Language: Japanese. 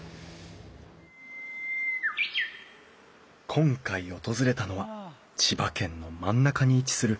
今回訪れたのは千葉県の真ん中に位置する長南町。